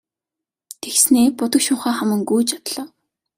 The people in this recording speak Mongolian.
Тэгснээ будаг шунхаа хаман гүйж одлоо.